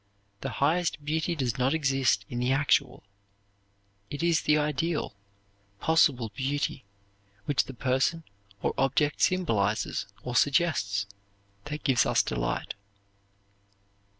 The highest beauty does not exist in the actual. It is the ideal, possible beauty, which the person or object symbolizes or suggests, that gives us delight.